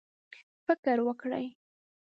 فکر وکړئ